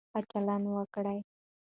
ښه چلند وکړئ.